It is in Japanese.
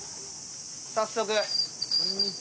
早速。